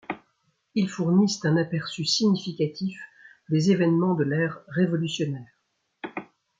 Ils fournissent un aperçu significatif des événements de l’ère révolutionnaire.